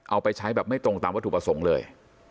เอาไปใช้แบบไม่ตรงตามวัตถุประสงค์เลย